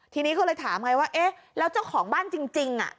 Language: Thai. ทีนี้ก็เลยถามไงว่าเอ๊ะแล้วเจ้าของบ้านจริง